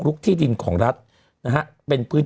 มันติดคุกออกไปออกมาได้สองเดือน